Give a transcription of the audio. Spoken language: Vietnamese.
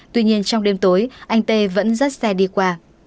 tuy nhiên trong đêm tối anh tê vẫn dắt xe đi qua